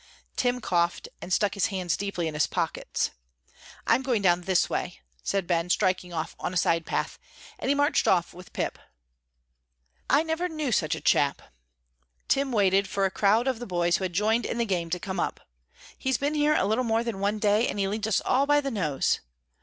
Tim coughed and stuck his hands deeply in his pockets. "I'm going down this way," said Ben, striking off on a side path, and he marched off with pip. "I never knew such a chap," Tim waited for a crowd of the boys who had joined in the game to come up; "he's been here a little more than one day, and he leads us all by the nose.